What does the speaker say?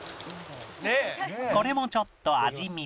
これもちょっと味見